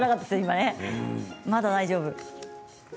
まだ、大丈夫。